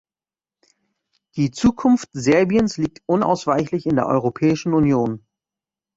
Die Zukunft Serbiens liegt unausweichlich in der Europäischen Union.